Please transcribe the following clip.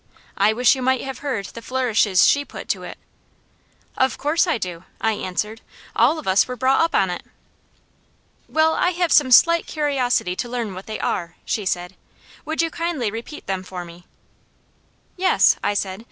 I wish you might have heard the flourishes she put to it. "Of course I do," I answered. "All of us were brought up on it." "Well, I have some slight curiosity to learn what they are," she said. "Would you kindly repeat them for me?" "Yes," I said.